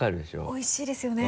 おいしいですよね。